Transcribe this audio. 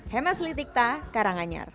hema selitikta karanganyar